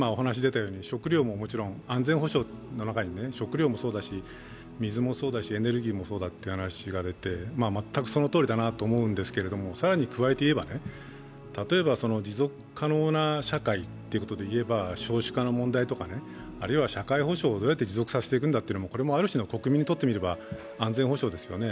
もちろん安全保障の中に食料もそうだし水もそうだし、エネルギーもそうだという話が出て、全くそのとおりだなと思うんですけれども、更に加えて言えば、例えば持続可能な社会ということでいえば少子化の問題とか社会保障をどうやって持続化させていくのか、これもある種の、国民にとってみれば安全保障ですよね。